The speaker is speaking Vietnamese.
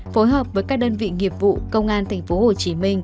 phối hợp với các đơn vị nghiệp vụ công an tp hcm